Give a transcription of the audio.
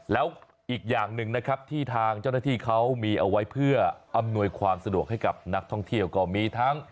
แล้วอีกอย่างหนึ่งนะครับที่ทางเจ้าหน้าที่เขามีเอาไว้เพื่ออำนวยความสะดวกให้กับนักท่องเที่ยวก็มีทั้ง